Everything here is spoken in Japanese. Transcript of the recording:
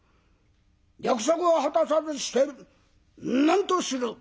約束を果たさずして何とする」。